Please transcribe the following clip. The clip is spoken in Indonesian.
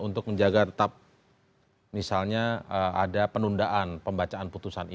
untuk menjaga tetap misalnya ada penundaan pembacaan putusan ini